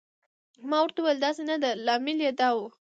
ما ورته وویل: داسې نه ده، لامل یې دا و.